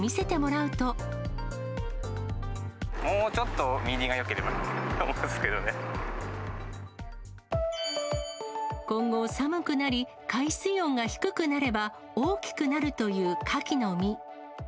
もうちょっと身入りがよけれ今後、寒くなり、海水温が低くなれば、大きくなるというカキの身。